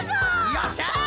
よっしゃ！